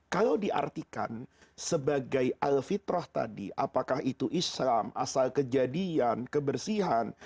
kalau diartikan sebagai alfitroh tadi apakah itu islam asal kejadian kebersihan